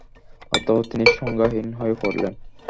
অতঃপর তিনি সংজ্ঞাহীন হয়ে পড়লেন।